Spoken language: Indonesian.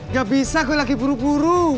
gak bisa gue lagi buru buru